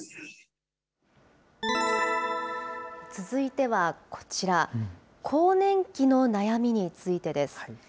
続いてはこちら、更年期の悩みについてです。